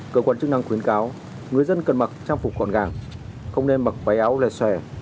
cơ quan chức năng khuyến cáo người dân cần mặc trang phục còn gàng không nên mặc váy áo lè xòe